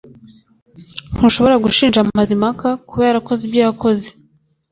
Ntushobora gushinja Mazimpaka kuba yarakoze ibyo yakoze